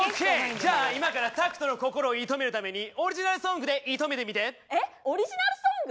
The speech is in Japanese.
じゃあ今からタクトの心を射止めるためにオリジナルソングで射止めてみて！えオリジナルソング？